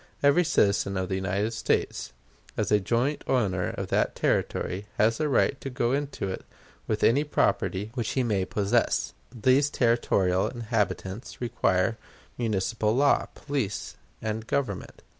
Every citizen of the United States, as a joint owner of that Territory, has a right to go into it with any property which he may possess. These territorial inhabitants require municipal law, police, and government.